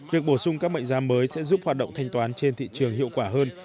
việc bổ sung các mệnh giá mới sẽ giúp hoạt động thanh toán trên thị trường hiệu quả hơn